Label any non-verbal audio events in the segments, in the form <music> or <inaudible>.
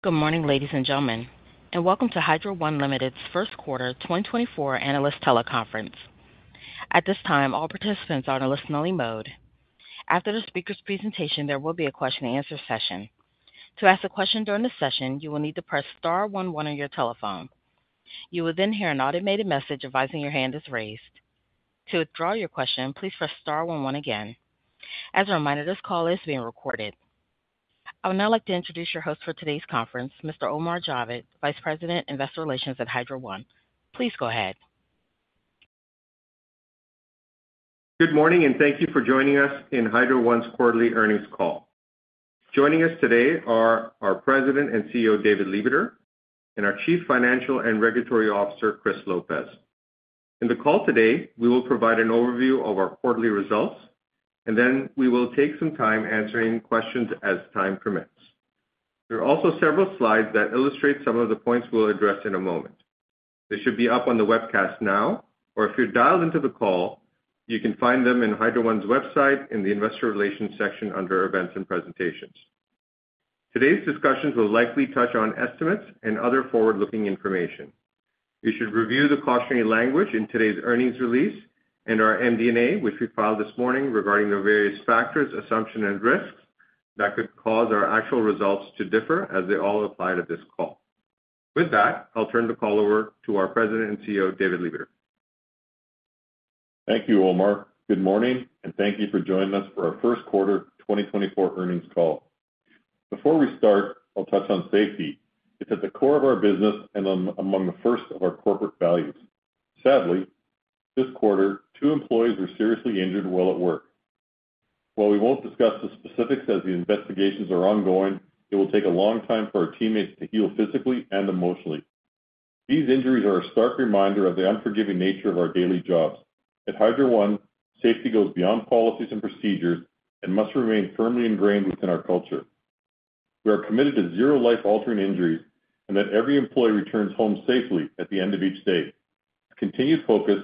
Good morning, ladies and gentlemen, and welcome to Hydro One Limited's first quarter 2024 analyst teleconference. At this time, all participants are in listen-only mode. After the speaker's presentation, there will be a question-and-answer session. To ask a question during the session, you will need to press star one one on your telephone. You will then hear an automated message advising your hand is raised. To withdraw your question, please press star one one again. As a reminder, this call is being recorded. I would now like to introduce your host for today's conference, Mr. Omar Javed, Vice President, Investor Relations at Hydro One. Please go ahead. Good morning, and thank you for joining us in Hydro One's quarterly earnings call. Joining us today are our President and CEO, David Lebeter, and our Chief Financial and Regulatory Officer, Chris Lopez. In the call today, we will provide an overview of our quarterly results, and then we will take some time answering questions as time permits. There are also several slides that illustrate some of the points we'll address in a moment. They should be up on the webcast now, or if you're dialed into the call, you can find them in Hydro One's website in the investor relations section under Events and Presentations. Today's discussions will likely touch on estimates and other forward-looking information. You should review the cautionary language in today's earnings release and our MD&A, which we filed this morning regarding the various factors, assumptions, and risks that could cause our actual results to differ as they all apply to this call. With that, I'll turn the call over to our President and CEO, David Lebeter. Thank you, Omar. Good morning, and thank you for joining us for our first quarter 2024 earnings call. Before we start, I'll touch on safety. It's at the core of our business and among the first of our corporate values. Sadly, this quarter, two employees were seriously injured while at work. While we won't discuss the specifics as the investigations are ongoing, it will take a long time for our teammates to heal physically and emotionally. These injuries are a stark reminder of the unforgiving nature of our daily jobs. At Hydro One, safety goes beyond policies and procedures and must remain firmly ingrained within our culture. We are committed to zero life-altering injuries and that every employee returns home safely at the end of each day. Continued focus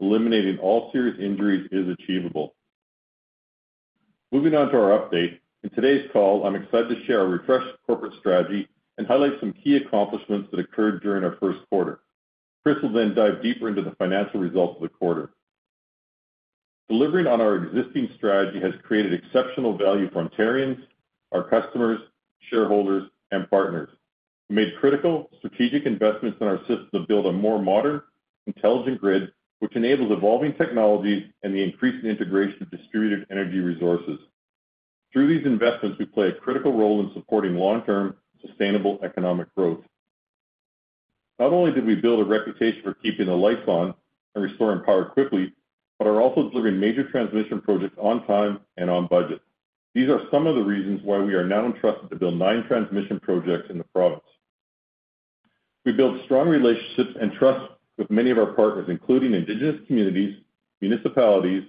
eliminating all serious injuries is achievable. Moving on to our update, in today's call, I'm excited to share a refreshed corporate strategy and highlight some key accomplishments that occurred during our first quarter. Chris will then dive deeper into the financial results of the quarter. Delivering on our existing strategy has created exceptional value for Ontarians, our customers, shareholders, and partners. We made critical, strategic investments in our system to build a more modern, intelligent grid, which enables evolving technologies and the increased integration of distributed energy resources. Through these investments, we play a critical role in supporting long-term, sustainable economic growth. Not only did we build a reputation for keeping the lights on and restoring power quickly, but are also delivering major transmission projects on time and on budget. These are some of the reasons why we are now entrusted to build 9 transmission projects in the province. We build strong relationships and trust with many of our partners, including Indigenous communities, municipalities,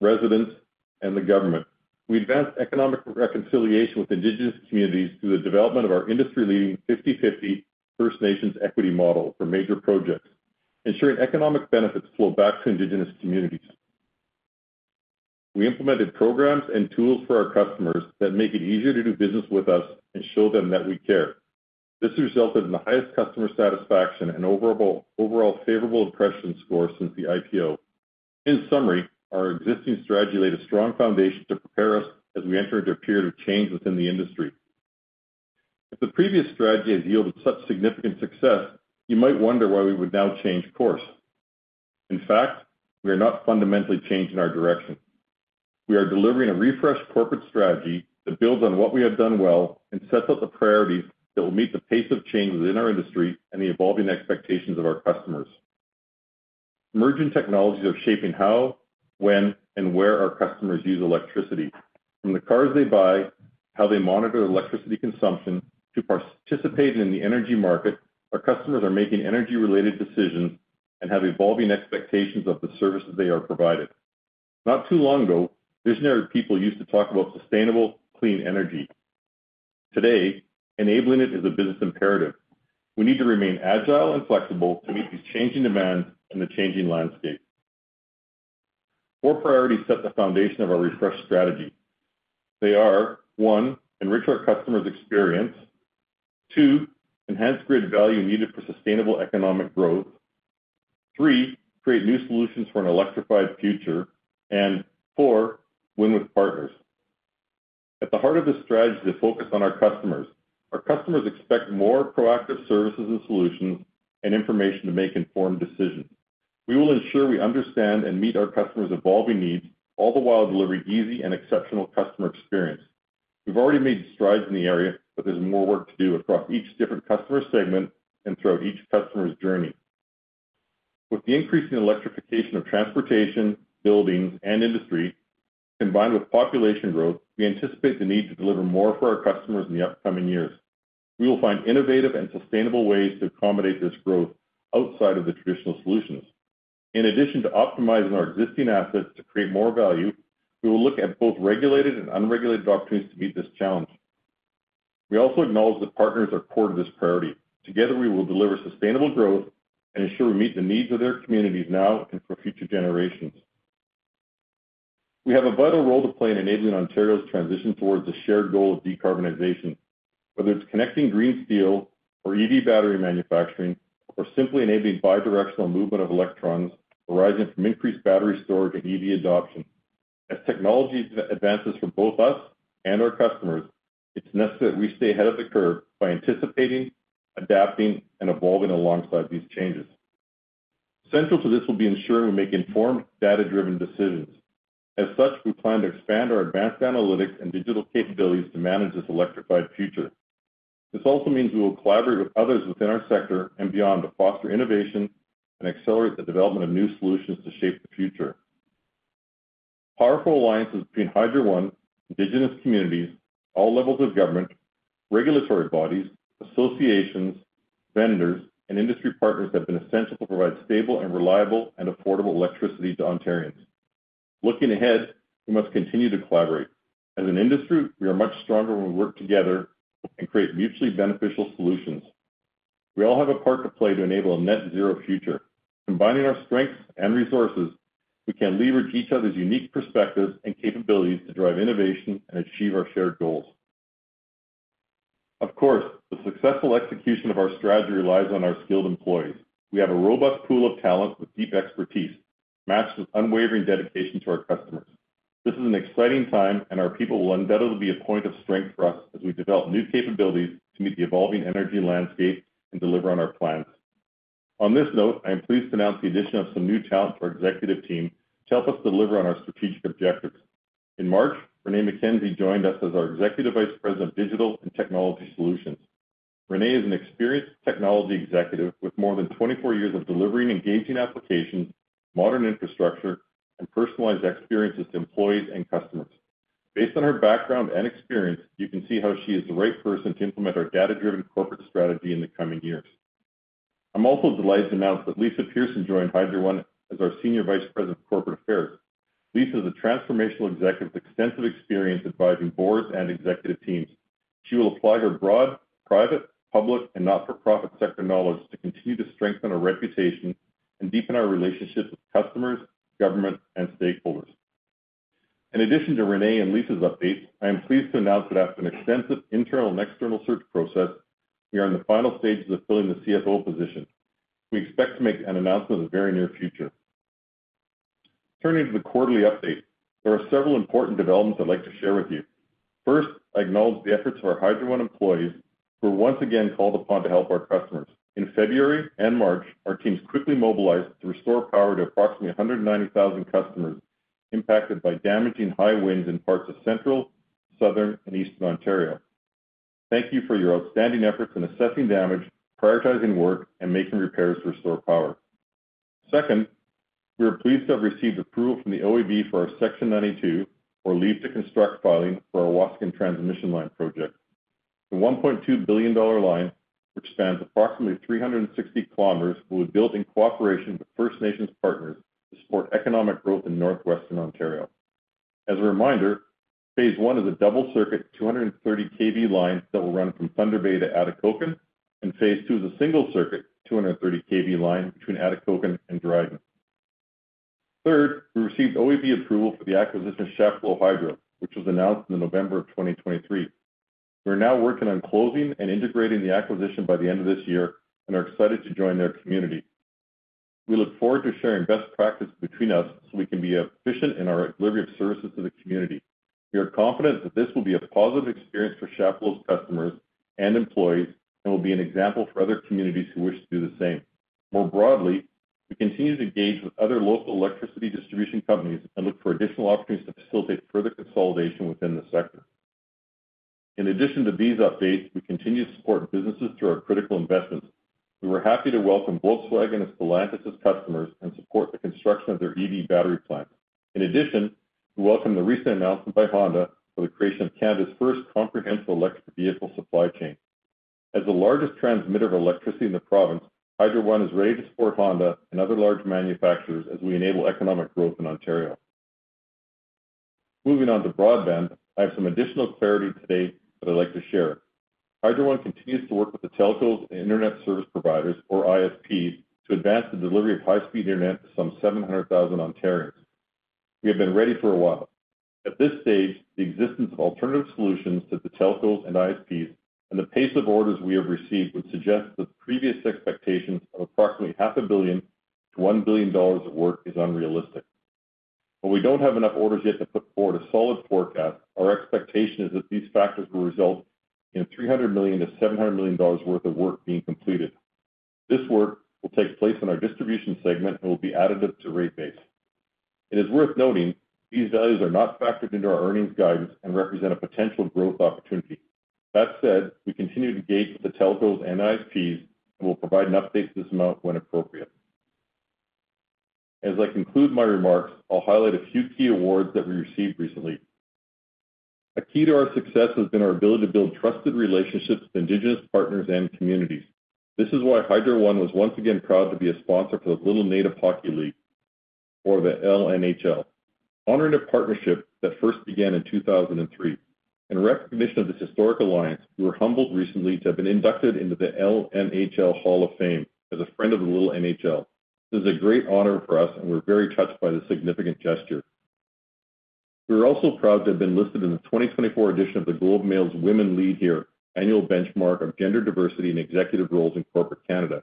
residents, and the government. We advance economic reconciliation with Indigenous communities through the development of our industry-leading 50/50 First Nations equity model for major projects, ensuring economic benefits flow back to Indigenous communities. We implemented programs and tools for our customers that make it easier to do business with us and show them that we care. This resulted in the highest customer satisfaction and overall favorable impression score since the IPO. In summary, our existing strategy laid a strong foundation to prepare us as we enter into a period of change within the industry. If the previous strategy has yielded such significant success, you might wonder why we would now change course. In fact, we are not fundamentally changing our direction. We are delivering a refreshed corporate strategy that builds on what we have done well and sets out the priorities that will meet the pace of change within our industry and the evolving expectations of our customers. Emerging technologies are shaping how, when, and where our customers use electricity. From the cars they buy, how they monitor electricity consumption, to participating in the energy market, our customers are making energy-related decisions and have evolving expectations of the services they are provided. Not too long ago, visionary people used to talk about sustainable, clean energy. Today, enabling it is a business imperative. We need to remain agile and flexible to meet these changing demands and the changing landscape. Four priorities set the foundation of our refreshed strategy. They are: one, enrich our customers' experience. Two, enhance grid value needed for sustainable economic growth. Three, create new solutions for an electrified future. And four, win with partners. At the heart of this strategy is a focus on our customers. Our customers expect more proactive services and solutions and information to make informed decisions. We will ensure we understand and meet our customers' evolving needs all the while delivering easy and exceptional customer experience. We've already made strides in the area, but there's more work to do across each different customer segment and throughout each customer's journey. With the increasing electrification of transportation, buildings, and industry, combined with population growth, we anticipate the need to deliver more for our customers in the upcoming years. We will find innovative and sustainable ways to accommodate this growth outside of the traditional solutions. In addition to optimizing our existing assets to create more value, we will look at both regulated and unregulated opportunities to meet this challenge. We also acknowledge that partners are core to this priority. Together, we will deliver sustainable growth and ensure we meet the needs of their communities now and for future generations. We have a vital role to play in enabling Ontario's transition towards the shared goal of decarbonization, whether it's connecting green steel or EV battery manufacturing, or simply enabling bidirectional movement of electrons arising from increased battery storage and EV adoption. As technology advances for both us and our customers, it's necessary that we stay ahead of the curve by anticipating, adapting, and evolving alongside these changes. Central to this will be ensuring we make informed, data-driven decisions. As such, we plan to expand our advanced analytics and digital capabilities to manage this electrified future. This also means we will collaborate with others within our sector and beyond to foster innovation and accelerate the development of new solutions to shape the future. Powerful alliances between Hydro One, Indigenous communities, all levels of government, regulatory bodies, associations, vendors, and industry partners have been essential to provide stable, reliable, and affordable electricity to Ontarians. Looking ahead, we must continue to collaborate. As an industry, we are much stronger when we work together and create mutually beneficial solutions. We all have a part to play to enable a net-zero future. Combining our strengths and resources, we can leverage each other's unique perspectives and capabilities to drive innovation and achieve our shared goals. Of course, the successful execution of our strategy relies on our skilled employees. We have a robust pool of talent with deep expertise matched with unwavering dedication to our customers. This is an exciting time, and our people will undoubtedly be a point of strength for us as we develop new capabilities to meet the evolving energy landscape and deliver on our plans. On this note, I am pleased to announce the addition of some new talent to our executive team to help us deliver on our strategic objectives. In March, Renee McKenzie joined us as our Executive Vice President of Digital and Technology Solutions. Renee is an experienced technology executive with more than 24 years of delivering engaging applications, modern infrastructure, and personalized experiences to employees and customers. Based on her background and experience, you can see how she is the right person to implement our data-driven corporate strategy in the coming years. I'm also delighted to announce that Lisa Pearson joined Hydro One as our Senior Vice President of Corporate Affairs. Lisa is a transformational executive with extensive experience advising boards and executive teams. She will apply her broad, private, public, and not-for-profit sector knowledge to continue to strengthen our reputation and deepen our relationships with customers, government, and stakeholders. In addition to Renee and Lisa's updates, I am pleased to announce that after an extensive internal and external search process, we are in the final stages of filling the CFO position. We expect to make an announcement in the very near future. Turning to the quarterly update, there are several important developments I'd like to share with you. First, I acknowledge the efforts of our Hydro One employees who were once again called upon to help our customers. In February and March, our teams quickly mobilized to restore power to approximately 190,000 customers impacted by damaging high winds in parts of central, southern, and eastern Ontario. Thank you for your outstanding efforts in assessing damage, prioritizing work, and making repairs to restore power. Second, we are pleased to have received approval from the OEB for our Section 92, or Leave to Construct, filing for our Waasigan Transmission Line project. The 1.2 billion dollar line, which spans approximately 360 km, will be built in cooperation with First Nations partners to support economic growth in northwestern Ontario. As a reminder, Phase 1 is a double-circuit 230 kV line that will run from Thunder Bay to Atikokan, and Phase 2 is a single-circuit 230 kV line between Atikokan and Dryden. Third, we received OEB approval for the acquisition of Chapleau Hydro, which was announced in November of 2023. We are now working on closing and integrating the acquisition by the end of this year and are excited to join their community. We look forward to sharing best practices between us so we can be efficient in our delivery of services to the community. We are confident that this will be a positive experience for Chapleau's customers and employees and will be an example for other communities who wish to do the same. More broadly, we continue to engage with other local electricity distribution companies and look for additional opportunities to facilitate further consolidation within the sector. In addition to these updates, we continue to support businesses through our critical investments. We were happy to welcome Volkswagen and Stellantis as customers and support the construction of their EV battery plant. In addition, we welcome the recent announcement by Honda for the creation of Canada's first comprehensive electric vehicle supply chain. As the largest transmitter of electricity in the province, Hydro One is ready to support Honda and other large manufacturers as we enable economic growth in Ontario. Moving on to broadband, I have some additional clarity today that I'd like to share. Hydro One continues to work with the telcos and internet service providers, or ISPs, to advance the delivery of high-speed internet to some 700,000 Ontarians. We have been ready for a while. At this stage, the existence of alternative solutions to the telcos and ISPs and the pace of orders we have received would suggest that the previous expectations of approximately 500 million-1 billion dollars of work is unrealistic. While we don't have enough orders yet to put forward a solid forecast, our expectation is that these factors will result in 300 million-700 million dollars worth of work being completed. This work will take place in our distribution segment and will be additive to rate base. It is worth noting these values are not factored into our earnings guidance and represent a potential growth opportunity. That said, we continue to engage with the telcos and ISPs and will provide an update to this amount when appropriate. As I conclude my remarks, I'll highlight a few key awards that we received recently. A key to our success has been our ability to build trusted relationships with Indigenous partners and communities. This is why Hydro One was once again proud to be a sponsor for the Little Native Hockey League, or the LNHL, honoring a partnership that first began in 2003. In recognition of this historic alliance, we were humbled recently to have been inducted into the LNHL Hall of Fame as a friend of the Little NHL. This is a great honor for us, and we're very touched by this significant gesture. We are also proud to have been listed in the 2024 edition of The Globe and Mail's Women Lead Here, annual benchmark of gender diversity and executive roles in corporate Canada.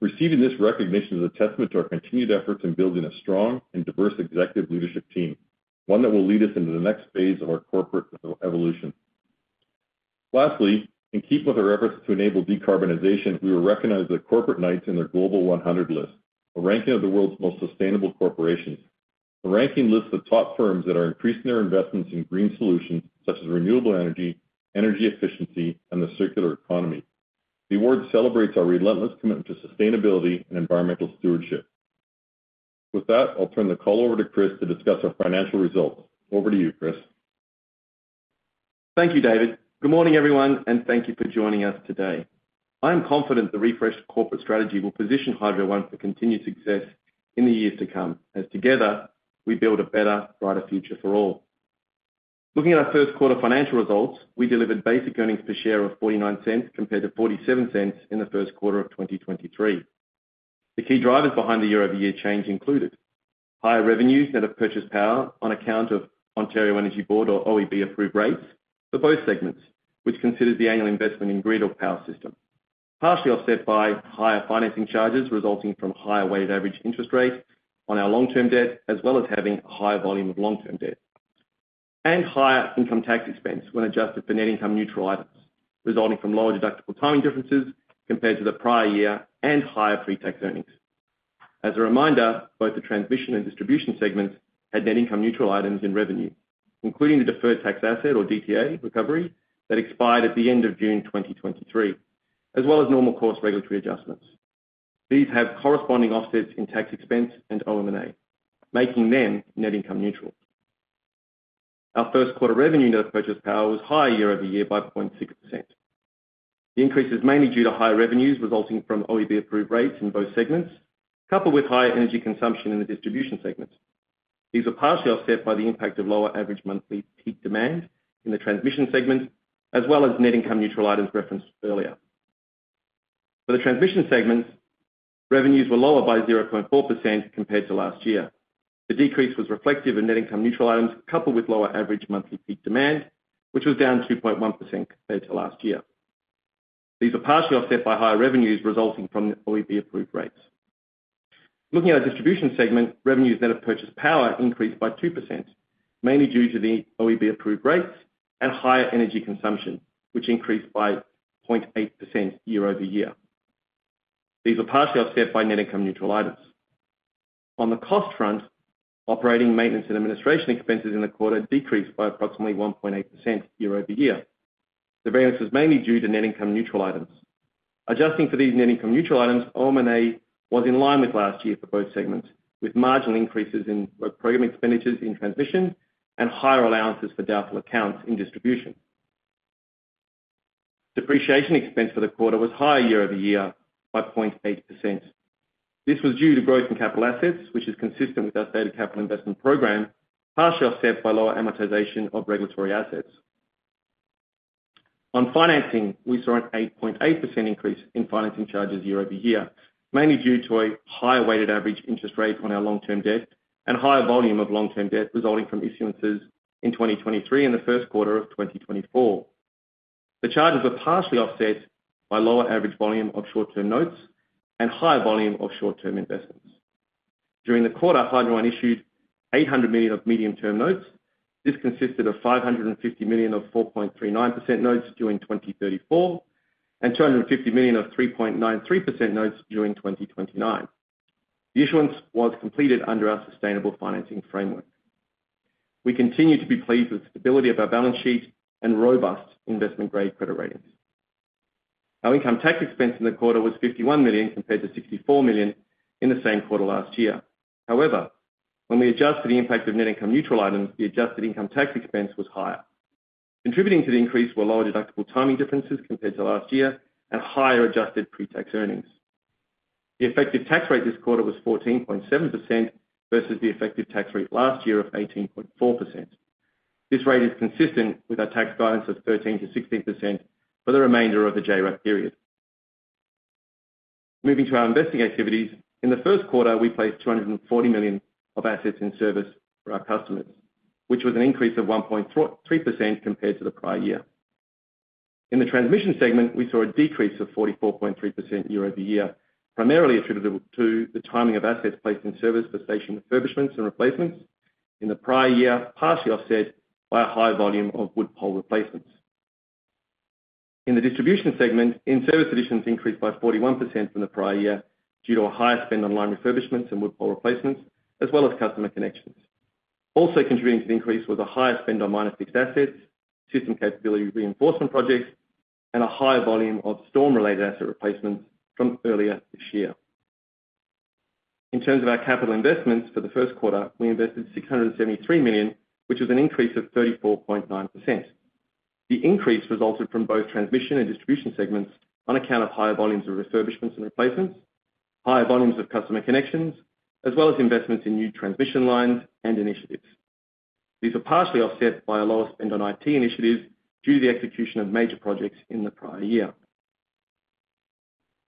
Receiving this recognition is a testament to our continued efforts in building a strong and diverse executive leadership team, one that will lead us into the next phase of our corporate evolution. Lastly, in keeping with our efforts to enable decarbonization, we were recognized by Corporate Knights in their Global 100 list, a ranking of the world's most sustainable corporations. The ranking lists the top firms that are increasing their investments in green solutions such as renewable energy, energy efficiency, and the circular economy. The award celebrates our relentless commitment to sustainability and environmental stewardship. With that, I'll turn the call over to Chris to discuss our financial results. Over to you, Chris. Thank you, David. Good morning, everyone, and thank you for joining us today. I am confident the refreshed corporate strategy will position Hydro One for continued success in the years to come as together we build a better, brighter future for all. Looking at our first quarter financial results, we delivered basic earnings per share of 0.49 compared to 0.47 in the first quarter of 2023. The key drivers behind the year-over-year change included higher revenues net of purchased power on account of Ontario Energy Board, or OEB, approved rates for both segments, which considers the annual investment in grid or power system, partially offset by higher financing charges resulting from higher weighted average interest rates on our long-term debt, as well as having a higher volume of long-term debt, and higher income tax expense when adjusted for net income neutral items resulting from lower deductible timing differences compared to the prior year and higher pre-tax earnings. As a reminder, both the transmission and distribution segments had net income neutral items in revenue, including the deferred tax asset, or DTA, recovery that expired at the end of June 2023, as well as normal course regulatory adjustments. These have corresponding offsets in tax expense and OM&A, making them net income neutral. Our first quarter revenue net of purchased power was higher year-over-year by 0.6%. The increase is mainly due to higher revenues resulting from OEB approved rates in both segments, coupled with higher energy consumption in the distribution segment. These were partially offset by the impact of lower average monthly peak demand in the transmission segment, as well as net income neutral items referenced earlier. For the transmission segments, revenues were lower by 0.4% compared to last year. The decrease was reflective of net income neutral items coupled with lower average monthly peak demand, which was down 2.1% compared to last year. These were partially offset by higher revenues resulting from OEB approved rates. Looking at our distribution segment, revenues net of purchased power increased by 2%, mainly due to the OEB approved rates and higher energy consumption, which increased by 0.8% year-over-year. These were partially offset by net income neutral items. On the cost front, operating, maintenance, and administration expenses in the quarter decreased by approximately 1.8% year-over-year. The variance was mainly due to net income neutral items. Adjusting for these net income neutral items, OM&A was in line with last year for both segments, with marginal increases in program expenditures in transmission and higher allowances for doubtful accounts in distribution. Depreciation expense for the quarter was higher year-over-year by 0.8%. This was due to growth in capital assets, which is consistent with our stated capital investment program, partially offset by lower amortization of regulatory assets. On financing, we saw an 8.8% increase in financing charges year-over-year, mainly due to a higher weighted average interest rate on our long-term debt and higher volume of long-term debt resulting from issuances in 2023 and the first quarter of 2024. The charges were partially offset by lower average volume of short-term notes and higher volume of short-term investments. During the quarter, Hydro One issued 800 million of medium-term notes. This consisted of 550 million of 4.39% notes during 2034 and 250 million of 3.93% notes during 2029. The issuance was completed under our Sustainable Financing Framework. We continue to be pleased with the stability of our balance sheet and robust investment-grade credit ratings. Our income tax expense in the quarter was 51 million compared to 64 million in the same quarter last year. However, when we adjust for the impact of net income neutral items, the adjusted income tax expense was higher. Contributing to the increase were lower deductible timing differences compared to last year and higher adjusted pre-tax earnings. The effective tax rate this quarter was 14.7% versus the effective tax rate last year of 18.4%. This rate is consistent with our tax guidance of 13%-16% for the remainder of the JRAP period. Moving to our investing activities, in the first quarter, we placed 240 million of assets in service for our customers, which was an increase of 1.3% compared to the prior year. In the transmission segment, we saw a decrease of 44.3% year-over-year, primarily attributable to the timing of assets placed in service for station refurbishments and replacements in the prior year, partially offset by a high volume of wood pole replacements. In the distribution segment, in-service additions increased by 41% from the prior year due to a higher spend on line refurbishments and wood pole replacements, as well as customer connections. Also contributing to the increase was a higher spend on minor fixed assets, system capability reinforcement projects, and a higher volume of storm-related asset replacements from earlier this year. In terms of our capital investments for the first quarter, we invested 673 million, which was an increase of 34.9%. The increase resulted from both transmission and distribution segments on account of higher volumes of refurbishments and replacements, higher volumes of customer connections, as well as investments in new transmission lines and initiatives. These were partially offset by a lower spend on IT initiatives due to the execution of major projects in the prior year.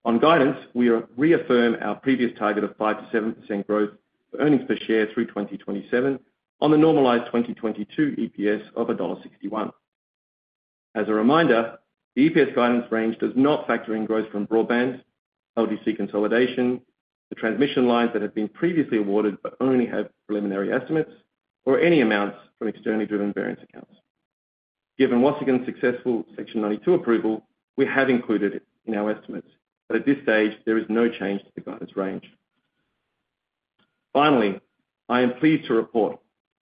On guidance, we reaffirm our previous target of 5%-7% growth for earnings per share through 2027 on the normalized 2022 EPS of dollar 1.61. As a reminder, the EPS guidance range does not factor in growth from broadband, LDC consolidation, the transmission lines that have been previously awarded but only have preliminary estimates, or any amounts from externally driven variance accounts. Given Waasigan's successful Section 92 approval, we have included it in our estimates, but at this stage, there is no change to the guidance range. Finally, I am pleased to report,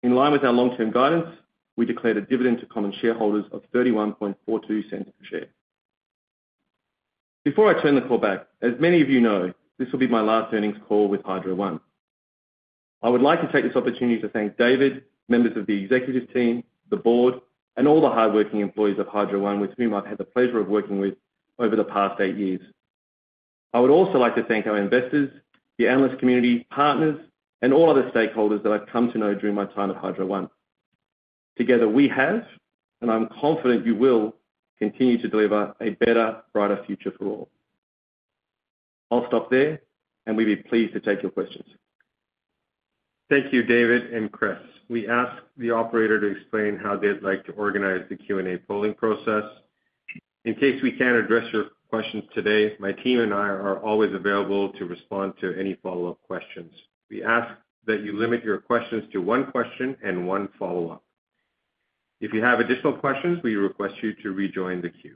in line with our long-term guidance, we declared a dividend to common shareholders of 0.3142 per share. Before I turn the call back, as many of you know, this will be my last earnings call with Hydro One. I would like to take this opportunity to thank David, members of the executive team, the board, and all the hardworking employees of Hydro One with whom I've had the pleasure of working with over the past eight years. I would also like to thank our investors, the analyst community, partners, and all other stakeholders that I've come to know during my time at Hydro One. Together, we have, and I'm confident you will, continued to deliver a better, brighter future for all. I'll stop there, and we'd be pleased to take your questions. Thank you, David and Chris. We asked the operator to explain how they'd like to organize the Q&A polling process. In case we can't address your questions today, my team and I are always available to respond to any follow-up questions. We ask that you limit your questions to one question and one follow-up. If you have additional questions, we request you to rejoin the queue.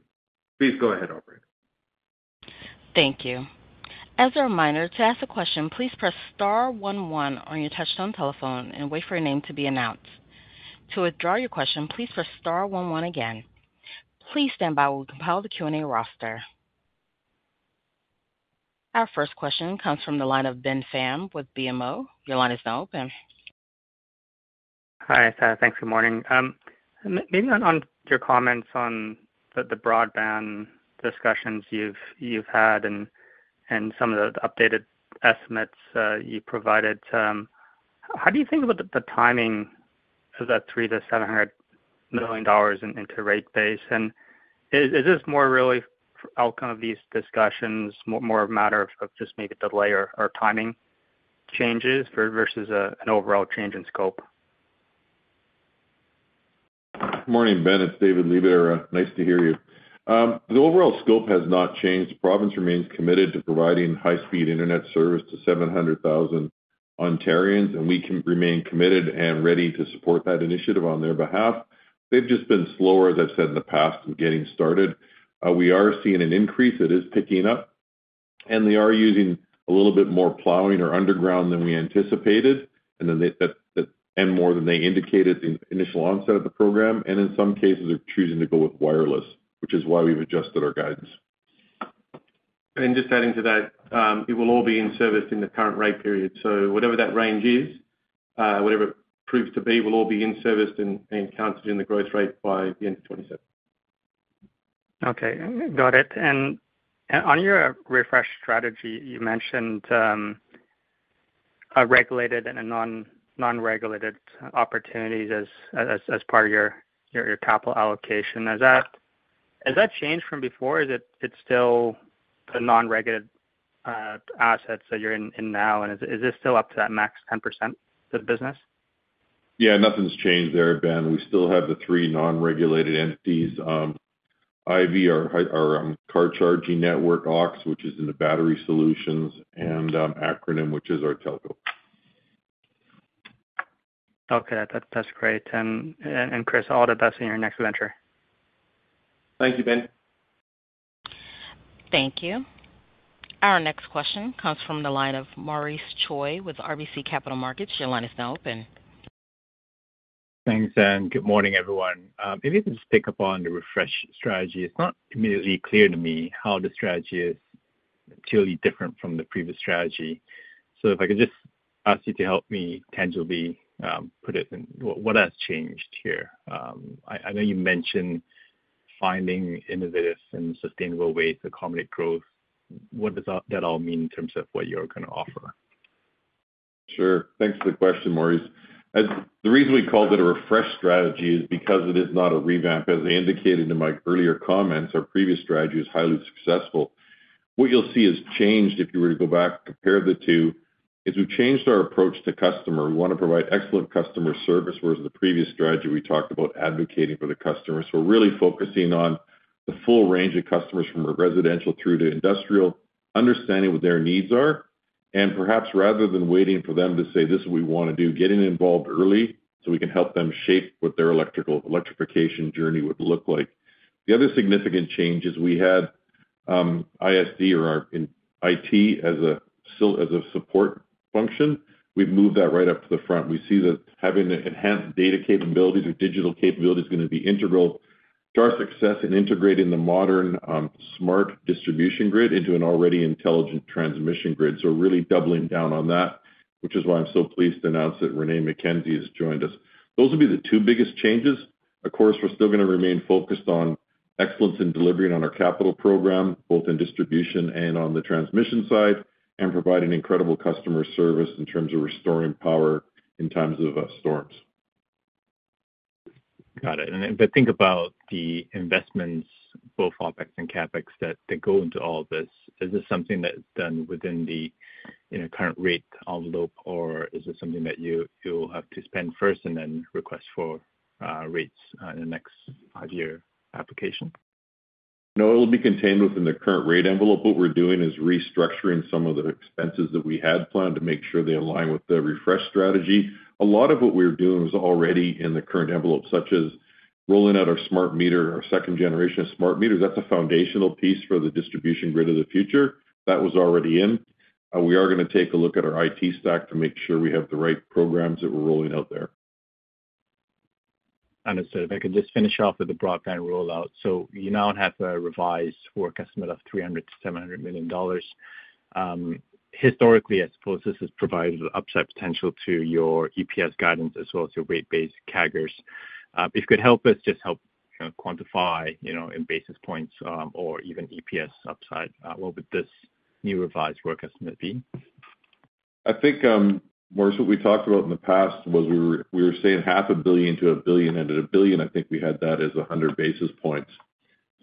Please go ahead, operator. Thank you. As a reminder, to ask a question, please press star one one on your touch-tone telephone and wait for your name to be announced. To withdraw your question, please press star one one again. Please stand by while we compile the Q&A roster. Our first question comes from the line of Ben Pham with BMO. Your line is now open. Hi. <audio distortion> Thanks. Good morning. Maybe on your comments on the broadband discussions you've had and some of the updated estimates you provided, how do you think about the timing of that 3 million-700 million dollars into rate base? And is this more really outcome of these discussions, more a matter of just maybe delay or timing changes versus an overall change in scope? Good morning, Ben. It's David Lebeter. Nice to hear you. The overall scope has not changed. The province remains committed to providing high-speed internet service to 700,000 Ontarians, and we can remain committed and ready to support that initiative on their behalf. They've just been slower, as I've said in the past, in getting started. We are seeing an increase. It is picking up, and they are using a little bit more plowing or underground than we anticipated and more than they indicated the initial onset of the program, and in some cases, they're choosing to go with wireless, which is why we've adjusted our guidance. Just adding to that, it will all be in service in the current rate period. So whatever that range is, whatever it proves to be, will all be in service and encountered in the growth rate by the end of 2027. Okay. Got it. And on your refreshed strategy, you mentioned regulated and non-regulated opportunities as part of your capital allocation. Has that changed from before? Is it still the non-regulated assets that you're in now, and is this still up to that max 10% of the business? Yeah. Nothing's changed there, Ben. We still have the three non-regulated entities: Ivy, our car charging network, Aux, which is in the battery solutions, and Acronym, which is our telco. Okay. That's great. And Chris, all the best in your next venture. Thank you, Ben. Thank you. Our next question comes from the line of Maurice Choy with RBC Capital Markets. Your line is now open. Thanks, Anne. Good morning, everyone. If you can just pick up on the refreshed strategy, it's not immediately clear to me how the strategy is purely different from the previous strategy. So if I could just ask you to help me tangibly put it in, what has changed here? I know you mentioned finding innovative and sustainable ways to accommodate growth. What does that all mean in terms of what you're going to offer? Sure. Thanks for the question, Maurice. The reason we called it a refreshed strategy is because it is not a revamp. As I indicated in my earlier comments, our previous strategy was highly successful. What you'll see has changed if you were to go back, compare the two, is we've changed our approach to customer. We want to provide excellent customer service, whereas the previous strategy, we talked about advocating for the customer. So we're really focusing on the full range of customers from residential through to industrial, understanding what their needs are, and perhaps rather than waiting for them to say, "This is what we want to do," getting involved early so we can help them shape what their electrification journey would look like. The other significant change is we had ISD, or IT, as a support function. We've moved that right up to the front. We see that having enhanced data capabilities or digital capabilities is going to be integral to our success in integrating the modern smart distribution grid into an already intelligent transmission grid. So really doubling down on that, which is why I'm so pleased to announce that Renee McKenzie has joined us. Those will be the two biggest changes. Of course, we're still going to remain focused on excellence in delivering on our capital program, both in distribution and on the transmission side, and providing incredible customer service in terms of restoring power in times of storms. Got it. If I think about the investments, both OpEx and CapEx, that go into all this, is this something that's done within the current rate envelope, or is this something that you'll have to spend first and then request for rates in the next five-year application? No, it'll be contained within the current rate envelope. What we're doing is restructuring some of the expenses that we had planned to make sure they align with the refreshed strategy. A lot of what we were doing was already in the current envelope, such as rolling out our smart meter, our second generation of smart meters. That's a foundational piece for the distribution grid of the future. That was already in. We are going to take a look at our IT stack to make sure we have the right programs that we're rolling out there. Understood. If I could just finish off with the broadband rollout. So you now have a revised forecast amount of 300 million-700 million dollars. Historically, I suppose this has provided upside potential to your EPS guidance as well as your rate-based CAGRs. If you could help us just quantify in basis points or even EPS upside, what would this new revised forecast amount be? I think, Maurice, what we talked about in the past was we were saying 500 million-1 billion. And at 1 billion, I think we had that as 100 basis points.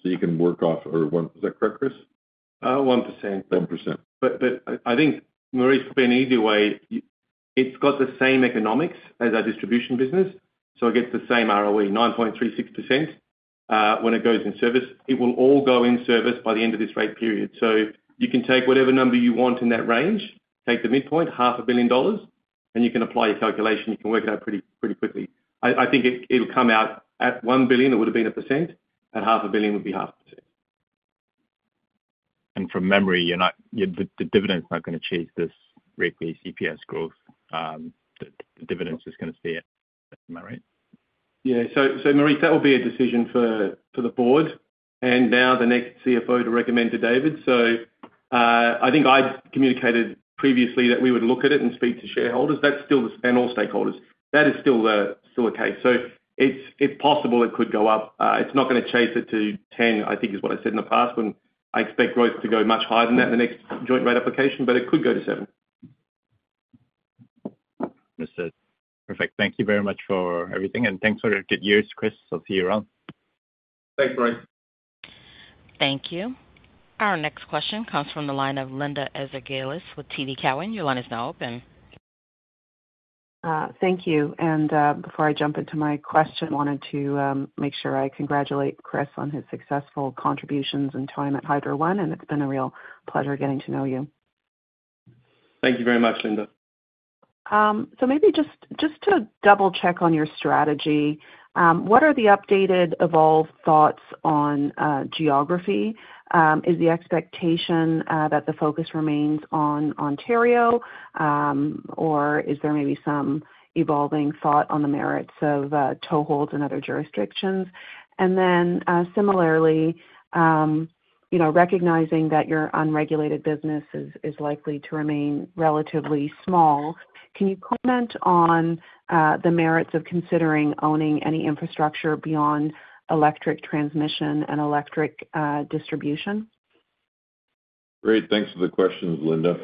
So you can work off or is that correct, Chris? 1%. 1%. But I think, Maurice, for an easy way, it's got the same economics as our distribution business, so it gets the same ROE, 9.36%, when it goes in service. It will all go in service by the end of this rate period. So you can take whatever number you want in that range, take the midpoint, 500 million dollars, and you can apply your calculation. You can work it out pretty quickly. I think it'll come out at 1 billion. It would have been 1%. At CAD 500 million, it would be 0.5%. From memory, the dividend's not going to chase this rate-based EPS growth. The dividend's just going to stay at that. Am I right? Yeah. So, Maurice, that will be a decision for the board and now the next CFO to recommend to David. So I think I communicated previously that we would look at it and speak to shareholders. That's still the and all stakeholders. That is still the case. So it's possible it could go up. It's not going to chase it to 10%, I think is what I said in the past, when I expect growth to go much higher than that in the next Joint Rate Application, but it could go to 7%. Understood. Perfect. Thank you very much for everything, and thanks for a good year, Chris. I'll see you around. Thanks, Maurice. Thank you. Our next question comes from the line of Linda Ezergailis with TD Cowen. Your line is now open. Thank you. Before I jump into my question, I wanted to make sure I congratulate Chris on his successful contributions and time at Hydro One, and it's been a real pleasure getting to know you. Thank you very much, Linda. Maybe just to double-check on your strategy, what are the updated, evolved thoughts on geography? Is the expectation that the focus remains on Ontario, or is there maybe some evolving thought on the merits of toeholds in other jurisdictions? Then similarly, recognizing that your unregulated business is likely to remain relatively small, can you comment on the merits of considering owning any infrastructure beyond electric transmission and electric distribution? Great. Thanks for the questions, Linda.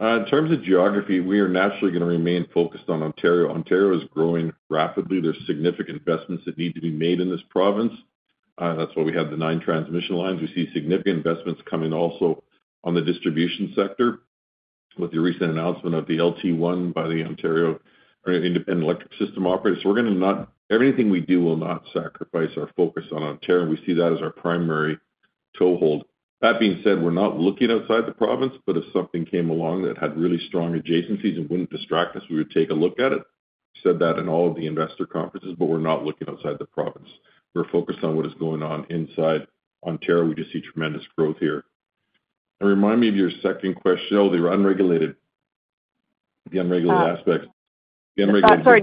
In terms of geography, we are naturally going to remain focused on Ontario. Ontario is growing rapidly. There's significant investments that need to be made in this province. That's why we have the nine transmission lines. We see significant investments coming also on the distribution sector with the recent announcement of the LT1 by the Ontario Independent Electricity System Operator. So we're going to not everything we do will not sacrifice our focus on Ontario. We see that as our primary toehold. That being said, we're not looking outside the province, but if something came along that had really strong adjacencies and wouldn't distract us, we would take a look at it. We said that in all of the investor conferences, but we're not looking outside the province. We're focused on what is going on inside Ontario. We just see tremendous growth here. Remind me of your second question. Oh, the unregulated. The unregulated. Oh, sorry.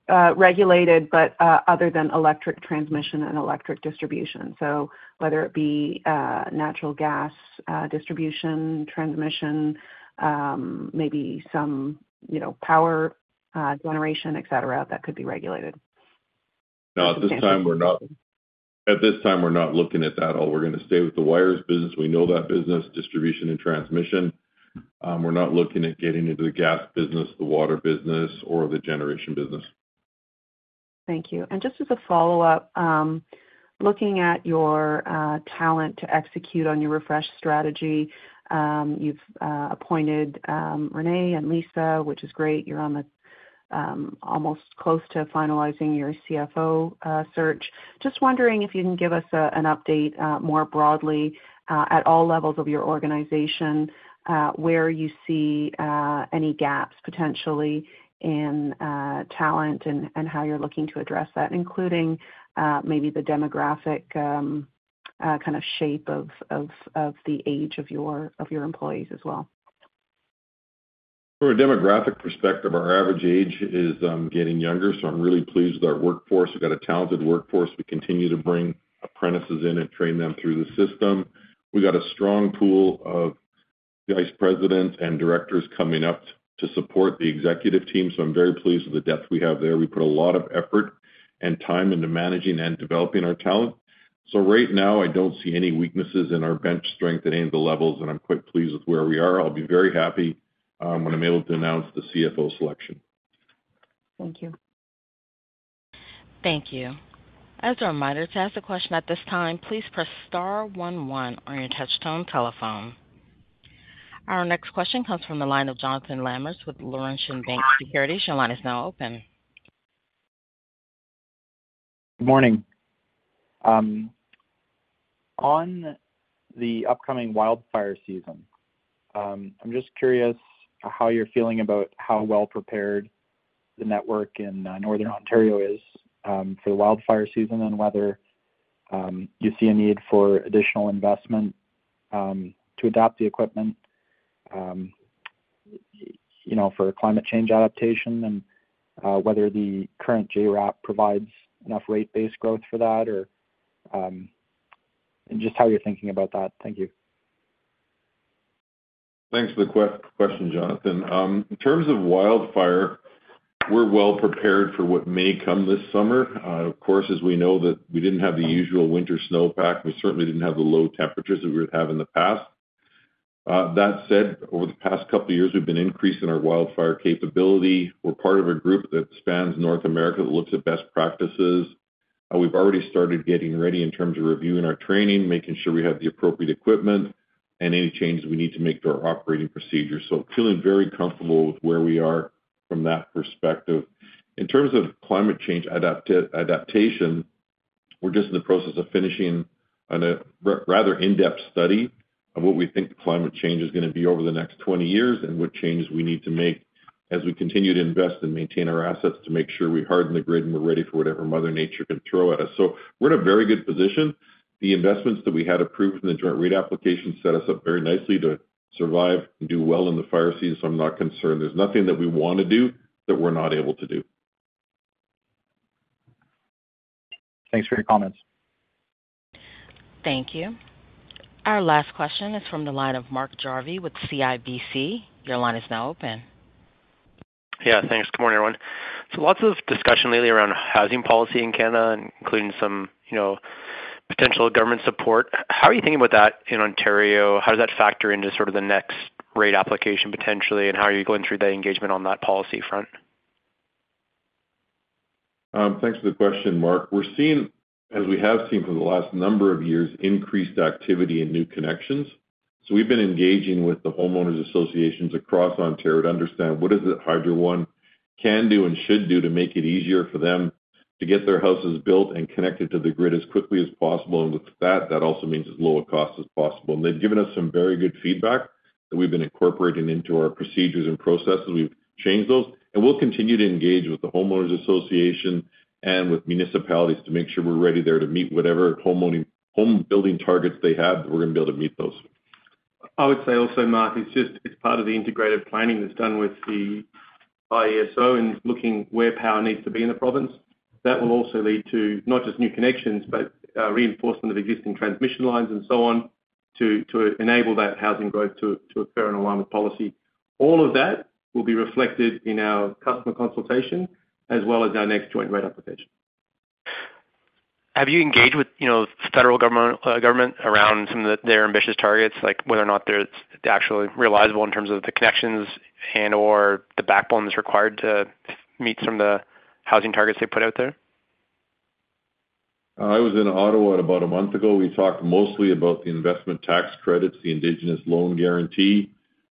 Not regulated, but other than electric transmission and electric distribution. So whether it be natural gas distribution, transmission, maybe some power generation, etc., that could be regulated. Thank you. Now, at this time, we're not looking at that all. We're going to stay with the wires business. We know that business, distribution and transmission. We're not looking at getting into the gas business, the water business, or the generation business. Thank you. And just as a follow-up, looking at your talent to execute on your refreshed strategy, you've appointed Renee and Lisa, which is great. You're almost close to finalizing your CFO search. Just wondering if you can give us an update more broadly at all levels of your organization where you see any gaps potentially in talent and how you're looking to address that, including maybe the demographic kind of shape of the age of your employees as well. From a demographic perspective, our average age is getting younger, so I'm really pleased with our workforce. We've got a talented workforce. We continue to bring apprentices in and train them through the system. We've got a strong pool of vice presidents and directors coming up to support the executive team, so I'm very pleased with the depth we have there. We put a lot of effort and time into managing and developing our talent. So right now, I don't see any weaknesses in our bench strength at any of the levels, and I'm quite pleased with where we are. I'll be very happy when I'm able to announce the CFO selection. Thank you. Thank you. As a reminder, to ask the question at this time, please press star one one on your touch-tone telephone. Our next question comes from the line of Jonathan Lamers with Laurentian Bank Securities. Your line is now open. Good morning. On the upcoming wildfire season, I'm just curious how you're feeling about how well-prepared the network in northern Ontario is for the wildfire season and whether you see a need for additional investment to adapt the equipment for climate change adaptation and whether the current JRAP provides enough rate-based growth for that and just how you're thinking about that? Thank you. Thanks for the question, Jonathan. In terms of wildfire, we're well-prepared for what may come this summer. Of course, as we know that we didn't have the usual winter snowpack. We certainly didn't have the low temperatures that we would have in the past. That said, over the past couple of years, we've been increasing our wildfire capability. We're part of a group that spans North America that looks at best practices. We've already started getting ready in terms of reviewing our training, making sure we have the appropriate equipment and any changes we need to make to our operating procedures. So feeling very comfortable with where we are from that perspective. In terms of climate change adaptation, we're just in the process of finishing a rather in-depth study of what we think climate change is going to be over the next 20 years and what changes we need to make as we continue to invest and maintain our assets to make sure we harden the grid and we're ready for whatever Mother Nature can throw at us. So we're in a very good position. The investments that we had approved in the Joint Rate Application set us up very nicely to survive and do well in the fire season, so I'm not concerned. There's nothing that we want to do that we're not able to do. Thanks for your comments. Thank you. Our last question is from the line of Mark Jarvi with CIBC. Your line is now open. Yeah. Thanks. Good morning, everyone. So lots of discussion lately around housing policy in Canada, including some potential government support. How are you thinking about that in Ontario? How does that factor into sort of the next rate application, potentially, and how are you going through that engagement on that policy front? Thanks for the question, Mark. We're seeing, as we have seen for the last number of years, increased activity in new connections. So we've been engaging with the homeowners associations across Ontario to understand what is it Hydro One can do and should do to make it easier for them to get their houses built and connected to the grid as quickly as possible. And with that, that also means as low a cost as possible. And they've given us some very good feedback that we've been incorporating into our procedures and processes. We've changed those, and we'll continue to engage with the homeowners association and with municipalities to make sure we're ready there to meet whatever home building targets they have that we're going to be able to meet those. I would say also, Mark, it's part of the integrated planning that's done with the IESO and looking where power needs to be in the province. That will also lead to not just new connections, but reinforcement of existing transmission lines and so on to enable that housing growth to occur in alignment policy. All of that will be reflected in our customer consultation as well as our next Joint Rate Application. Have you engaged with federal government around some of their ambitious targets, whether or not they're actually realizable in terms of the connections and/or the backbone that's required to meet some of the housing targets they put out there? I was in Ottawa about a month ago. We talked mostly about the investment tax credits, the Indigenous Loan Guarantee.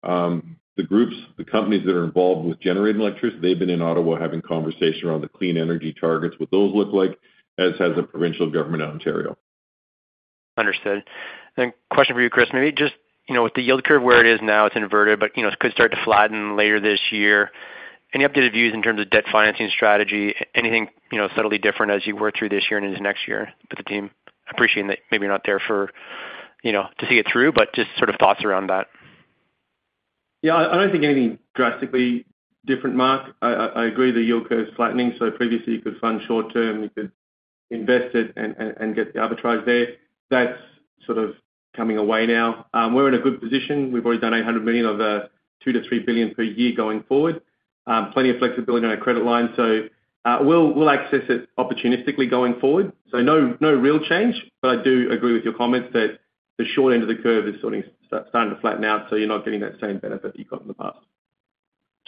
The companies that are involved with generating electricity, they've been in Ottawa having conversation around the clean energy targets, what those look like, as has the provincial government in Ontario. Understood. And question for you, Chris. Maybe just with the yield curve, where it is now, it's inverted, but it could start to flatten later this year. Any updated views in terms of debt financing strategy? Anything subtly different as you work through this year and into next year with the team? I appreciate that maybe you're not there to see it through, but just sort of thoughts around that. Yeah. I don't think anything drastically different, Mark. I agree the yield curve's flattening, so previously, you could fund short-term. You could invest it and get the arbitrage there. That's sort of coming away now. We're in a good position. We've already done 800 million of a 2 billion-3 billion per year going forward, plenty of flexibility on our credit line. So we'll access it opportunistically going forward. So no real change, but I do agree with your comments that the short end of the curve is starting to flatten out, so you're not getting that same benefit that you got in the past.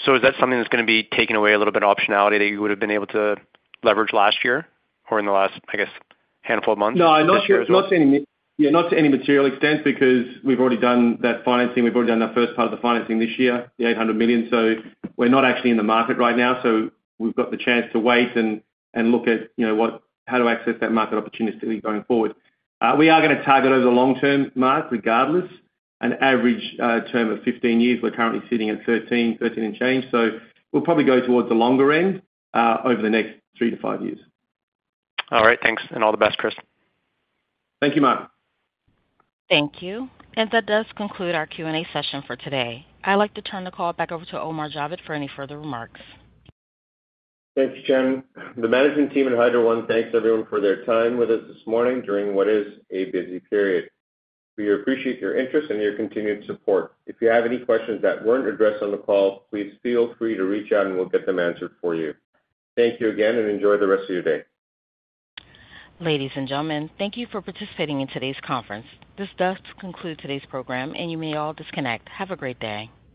Is that something that's going to be taken away, a little bit of optionality that you would have been able to leverage last year or in the last, I guess, handful of months? No, not to any material extent because we've already done that financing. We've already done that first part of the financing this year, the 800 million. So we're not actually in the market right now, so we've got the chance to wait and look at how to access that market opportunistically going forward. We are going to target over the long term, Mark, regardless. An average term of 15 years, we're currently sitting at 13, 13 and change. So we'll probably go towards the longer end over the next three to five years. All right. Thanks and all the best, Chris. Thank you, Mark. Thank you. That does conclude our Q&A session for today. I'd like to turn the call back over to Omar Javed for any further remarks. Thank you, Jen. The management team at Hydro One thanks everyone for their time with us this morning during what is a busy period. We appreciate your interest and your continued support. If you have any questions that weren't addressed on the call, please feel free to reach out, and we'll get them answered for you. Thank you again, and enjoy the rest of your day. Ladies and gentlemen, thank you for participating in today's conference. This does conclude today's program, and you may all disconnect. Have a great day.